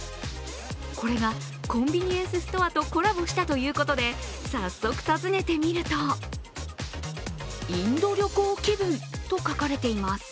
これが、コンビニエンスストアとコラボしたということで早速訪ねてみると「インド旅行気分」と書かれています。